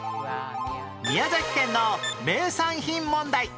宮崎県の名産品問題